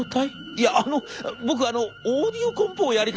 いやあの僕あのオーディオコンポをやりたくて」。